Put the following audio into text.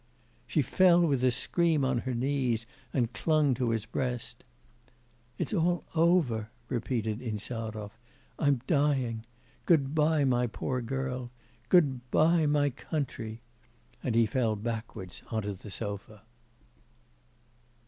She fell with a scream on her knees, and clung to his breast. 'It's all over,' repeated Insarov: 'I'm dying... Good bye, my poor girl! good bye, my country!' and he fell backwards on to the sofa.